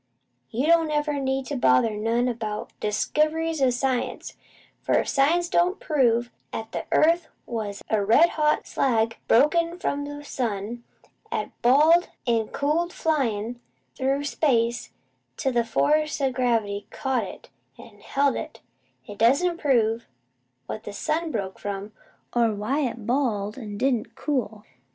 "You don't never need bother none 'bout the diskivries o' science, for if science could prove 'at the earth was a red hot slag broken from the sun, 'at balled an' cooled flyin' through space until the force o' gravity caught an' held it, it doesn't prove what the sun broke from, or why it balled an' didn't cool.